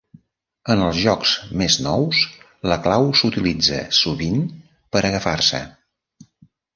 En els jocs més nous, la clau s'utilitza sovint per agafar-se.